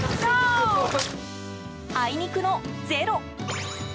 あいにくのゼロ。